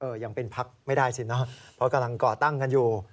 เออยังเป็นภักดิ์ไม่ได้สิไหมนะเพราะกำลังก่อตั้งกันอยู่